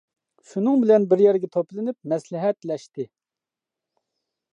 شۇنىڭ بىلەن بىر يەرگە توپلىنىپ، مەسلىھەتلەشتى.